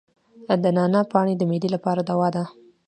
د نعناع پاڼې د معدې لپاره دوا ده.